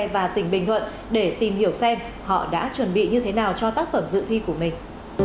và tỉnh bình thuận để tìm hiểu xem họ đã chuẩn bị như thế nào cho tác phẩm dự thi của mình